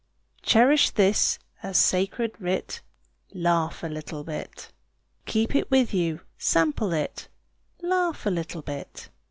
Cherish this as sacred writ Laugh a little bit. Keep it with you, sample it, Laugh a little bit.